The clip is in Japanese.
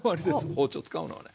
包丁使うのはね。